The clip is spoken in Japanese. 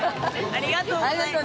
ありがとうございます。